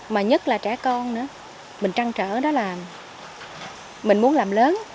mà nhất là trẻ con nữa mình trăng trở đó là mình muốn làm lớn